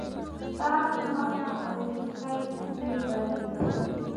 تاج، غاړه او ریښه یې اصلي برخې دي.